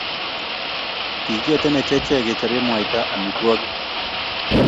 kikietenech achek kechobe mwaita amitwogik